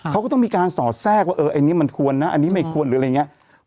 เขาก็ต้องมีการสอดแทรกว่าอันนี้มันควรนะอันนี้ไม่ควรหรืออะไรอย่างนี้